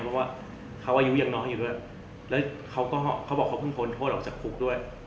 เพราะว่าเขาอายุยังน้อยอยู่ด้วยแล้วเขาก็เขาบอกเขาเพิ่งพ้นโทษออกจากคุกด้วย